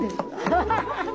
ハハハハ！